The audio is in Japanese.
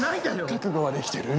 覚悟はできてる。